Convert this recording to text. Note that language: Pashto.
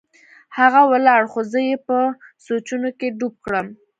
هغه ولاړ خو زه يې په سوچونو کښې ډوب کړم.